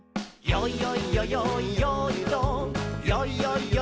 「よいよいよよいよーいドン」